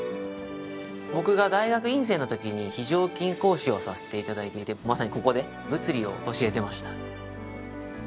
僕が大学院生のときに非常勤講師をさせていただいててまさにここで物理を教えてました